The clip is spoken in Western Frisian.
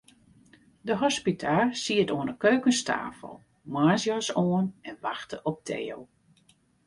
De hospita siet oan 'e keukenstafel, moarnsjas oan, en wachte op Theo.